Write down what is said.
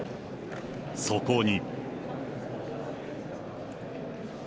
そこに。